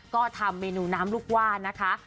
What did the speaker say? ก็ทำเมนูน้ำลูกว่านะคะ